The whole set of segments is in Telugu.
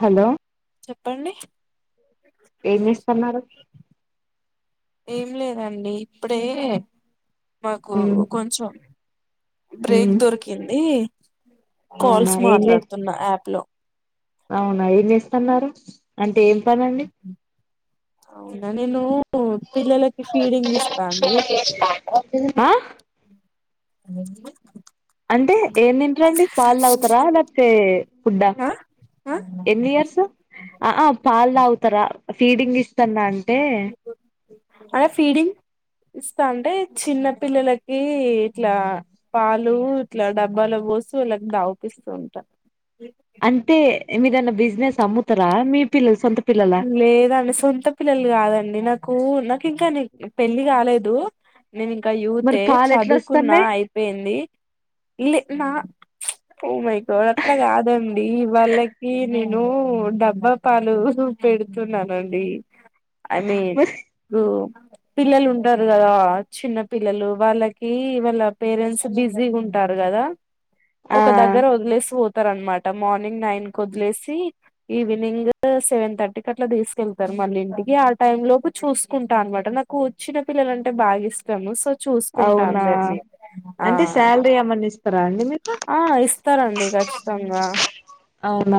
హలో చెప్పండి ఏం నమస్ చేస్తున్నారు ఏం లేదండి ఇప్పుడే మాకు ఉమ్ కొంచెం ఉమ్ బ్రేక్ దొరికింది అవునా కోల్స్ ఏం చే మాట్లాడుతున్నా యాప్ లో అవునా ఏం చేస్తున్నారు అంటే ఏం పనండి అవున నేను ఉ పిల్లలకి ఫీడింగ్ ఇస్తాండి ఆ మ్మ్ హ్ అంటే ఏం తింటరండి పాలు తావుతారా లేకపోతే ఫుడ్డా ఆ ఆ ఎన్ని ఇయర్స్ ఆ పాల్ తావుతరా, ఫీడింగ్ ఇస్తన్నా అం అదే ఫీడింగ్ ఇస్తా అంటే చిన్న పిల్లలకి ఇట్లా పాలు ఇట్లా డబ్బలో పోసి వాళ్ళకి దావిపిస్తూ ఉంటా. అంటే మీదేవన్న బిజినెస్ అమ్ముతరా మీ పిల్లలు సొంత పిల్లలా లేదండి సొంత పిల్లలు కాదండి నాకు నా కింకానే పెళ్ళి కాలేదు నేను ఇంకా మరి యూతే పాలు ఎట్లా చదువుకున్నా వస్తున్నాయి అయిపోయింది లే నా ప్చ్ ఓ మై గాడ్ అట్లా కాదండి వాళ్ళకి నేను డబ్బా పాలు, పెడుతున్నానండి ఐ మీన్ మరి రో పిల్లలు ఉంటారు కదా చిన్న పిల్లలు వాళ్ళకి వాళ్ళ పేరెంట్స్ బిజీగా ఉంటారు కదా, ఆ ఒక దగ్గర వదిలేసి పోతు త్తరన్నట మార్నింగ్ నైన్ కు వదిలేసి ఈవినింగ్ సెవెన్ థర్టీ టికట్లా తీసుకెళ్తారు మళ్ళీ ఇంటికి ఆ టై లోపు చూసుకుంటా అన్నమాట నాకు చిన్న పిల్లలంటే బాగా ఇష్టము సో చూసుకుంటా అవునా అందరినీ ఆ అంటే శాలరీ ఏమన్నా ఇ ఆ ఇస్తారండి ఖచ్చితంగా అవునా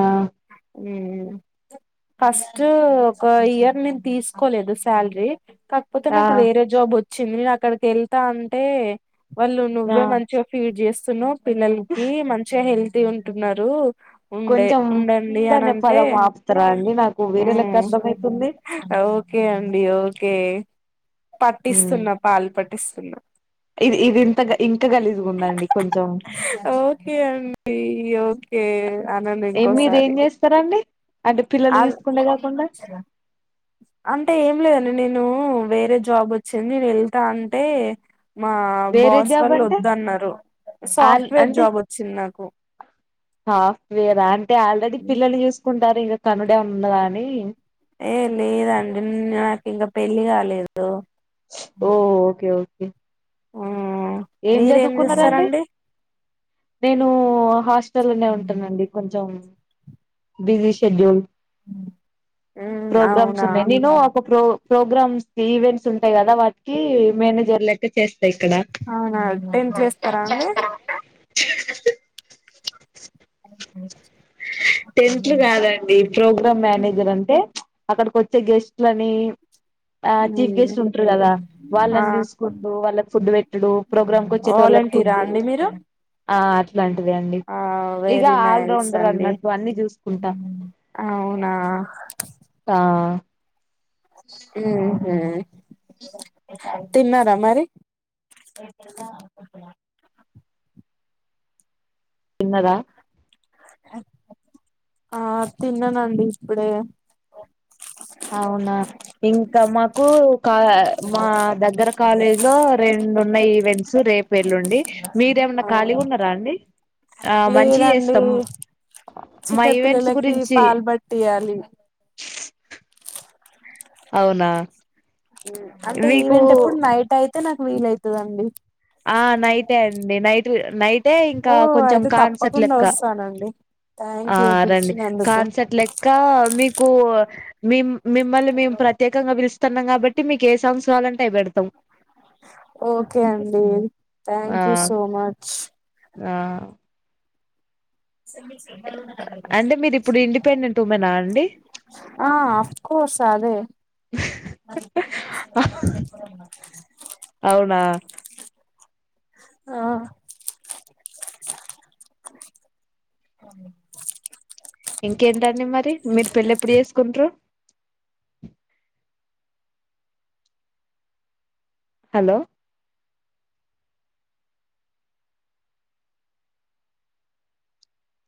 ఫస్ట్ ఒక ఇయర్ నేను తీసుకోలేదు శాలరీ కాకపోతే ఆ నాకు వేరే జాబ్ వొ చ్చింది నేను అక్కడికి వెళ్తా అంటే వాళ్ళు నువ్వే ఆ మంచిగా ఫీడ్ చేస్ సున్నావ్ పిల్లలకి మంచిగా హెల్ తీ ఉంటున్నారు ఉండే కొంచెం ఉండ డి కీడ్ అనే అనింటే పదం ఆపుతారా అండి నాకు హు వేరే లెక్క అర్థమయితుంది ఓకే అండి ఓకే ఏ ఉమ్ పట్టిస్తున్న పాల్ పట్ స్తున్నా ఇది ఇది ఇంత గ- ఇంకా గలీజుగా ఉందండి కొంచెం ఓకే అండి ఓకే అనను ఏ మీరు ఏం ఇంకోసారి చేస్తారండి అంటే పిల్లలు అ చూసుకుండే కాకుండా అంటే ఏం లేదండి నేను ను వేరే జాబ్ వచ్చింది నిను వెళ్తా అంటే మా వేరే బాస్ జాబ్ వాళ్ళు అంటే వద్దన్నారు ఆన్ సాఫ్ట్వేర్ అంటే జాబ్ వచ్చింది నాకు సాఫ్ట్ వేర్ ఆ అంటే ఆల్రెడీ పిల్లల్ని చూస్ కుంటారు ఇగ కనుడేమన్న ఉన్నదా అని ఏ లేదండి నాకు ఇంకా పెళ్ళి కాలేదు హో ఓకే ఓకే కే హు ఏం చదువుకున్నారండి నేను హాస్టల్నే ఉంటానండి కొంచెం బిజీ షెడ్యూల్ మ్మ్ ప్రోగ్రామ్స్ అవునా ఉన్నాయి నేను ఒక ప్రో ప్రోగ్రామ్స్ ఈవెంట్స్ ఉంటాయి కదా వాటికి మేనేజర్ లెక్క చేస్ టే ఇక్కడ ఆ టెన్త్లు ఎస్తారా అండి అ టెన్త్ కాదండి ప్రోగ్రామ్ మేనేజర్ అంటే అక్కడకి వచ్చే గెస్ట్లని ఆ చీఫ్ మ్మ్ గెస్ట్ ఉంటారు కదా, ఆ వాళ్ళని చూసుకుంటూ, వాళ్ళకి ఫుడ్ పెట్టడు ప్రోగ్రాంకి వచ్చేట వాళ్ళకి వాలంటీరా ఫుడ్డు అండి మీరు ఆ ఇట్లాంటిదే అండి ఇగ ఆల్్రౌండ్ దండి అవునా ఆ మ్ హు తిన్నారా మరి తిన్నరా ఆ తిన్నానండి ఇప్పుడే అవునా ఇంకా మాకు క మా దగ్గర కాలేజీ లో రెండున్నయి ఈవెంట్స్ రేపెల్లుుండి మీరేమన్నా అవును ఖాళీగా ఉన్నారా అండి ఆ మంచి లేదండి చేస్తాం మా ఈవెంట్స్ చిన్నపిల్లలకి గురించి పాల్ బట్టియాలి అవునా అంటే మీకు ఈవెంట్ ఎప్పుడు నైట్ అయితే నాకు వీలు అవుతదండి ఆ నైటే అండి నైట్ నైటే ఇంకా ఓ కొంచెం అయితే కాన్సర్ట్ తప్పకుండా లెక్క, వస్తానండి ఆ థ్యాంక్ యూ రండి పిలిచినందుకు కాన్సర్ట్ లెక్క మీకు మేం మిమ్మల్ని మేము ప్రత్యకంగా పిలుస్తున్నాం కాబట్టి మీకు ఏ సంస్ చాలంటేవి పెడాం ఓకే అండి అే ఆ థ్యాంక్ యూ సో మచ్ ఆ అంటే మీరు ఇప్పుడు ఇండిపెండెంట్ ఉమెనా అండి ఆ అఫ్ కోర్స్ అదే అవునా ఆ ఇంకేంటండి మరి మీరు పెళ్ళ ఎప్పుడు చేసుకుంటారు hello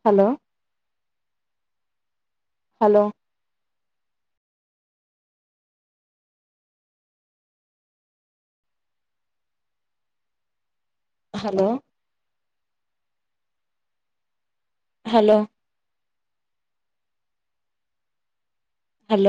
hello hello hello hello hello